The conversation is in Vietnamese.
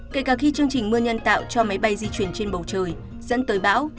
kể cả khi chương trình mưa nhân tạo cho máy bay di chuyển trên bầu trời dẫn tới bão